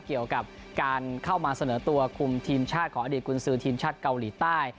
เกี่ยวกับการเข้ามาเสนอตัวคุมทีมชาติของอดีตกุญสือทีมชาติเกาหลีใต้